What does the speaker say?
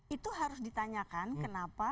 itu harus ditanyakan kenapa